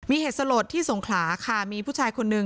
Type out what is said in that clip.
มีเหตุสลบที่สงครามีผู้ชายคนหนึ่ง